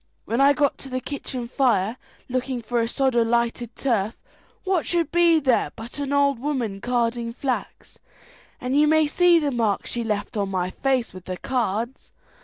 When I got to the kitchen fire, looking for a sod of lighted turf, what should be there but an old woman carding flax, and you may see the marks she left on my face with the cards.